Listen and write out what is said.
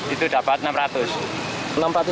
itu dapat rp enam ratus